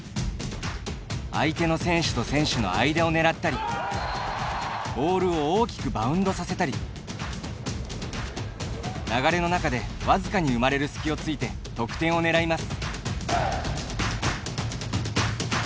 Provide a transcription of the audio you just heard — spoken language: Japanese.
相手の選手と選手の間を狙ったりボールを大きくバウンドさせたり流れの中で、僅かに生まれる隙を突いて得点を狙います。